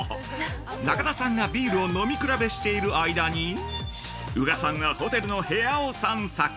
中田さんがビールを飲み比べしている間に宇賀さんがホテルの部屋を散策。